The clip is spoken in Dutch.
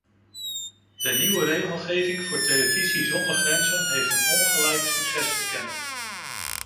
De nieuwe regelgeving voor televisie zonder grenzen heeft een ongelijk succes gekend.